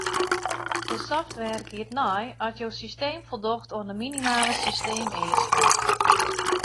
De software giet nei oft jo systeem foldocht oan de minimale systeemeasken.